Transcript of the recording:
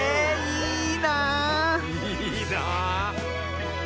いいな！